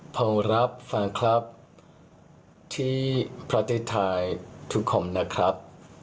พอรับฟังครับที่ประเทศไทยทุกคนนะครับ